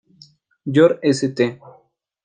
Georg, St.